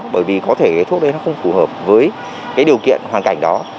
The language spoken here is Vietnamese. bởi vì có thể thuốc đấy nó không phù hợp với cái điều kiện hoàn cảnh đó